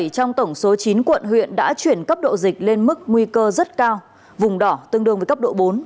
bảy trong tổng số chín quận huyện đã chuyển cấp độ dịch lên mức nguy cơ rất cao vùng đỏ tương đương với cấp độ bốn